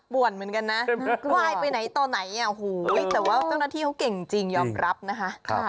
วนเหมือนกันนะว่ายไปไหนต่อไหนแต่ว่าเจ้าหน้าที่เขาเก่งจริงยอมรับนะคะ